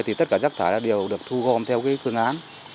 thì tất cả rác thải đều được thu gom theo phương án